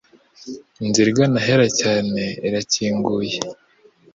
Inzira igana ahera cyane irakinguye.